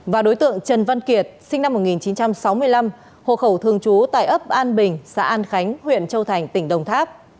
và đối tượng trần văn kiệt sinh năm một nghìn chín trăm sáu mươi năm hộ khẩu thường trú tại ấp an bình xã an khánh huyện châu thành tỉnh đồng tháp